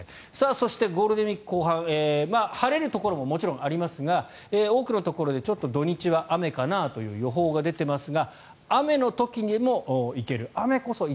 そして、ゴールデンウィーク後半晴れるところももちろんありますが多くのところでちょっと土日は雨かなという楽しいですよ。